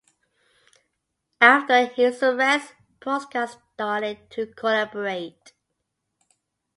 After his arrest Brusca started to collaborate.